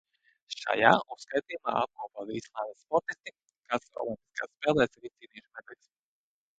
Šajā uzskaitījumā apkopoti Islandes sportisti, kas olimpiskajās spēlēs ir izcīnījuši medaļas.